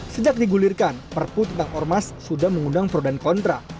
sejak digulirkan perpu tentang ormas sudah mengundang fraudan kontra